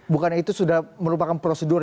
bukannya itu sudah merupakan prosedur